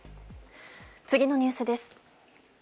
次のニュースです。